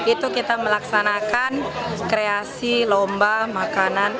itu kita melaksanakan kreasi lomba makanan